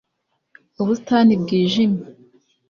ubusitani bwijimye.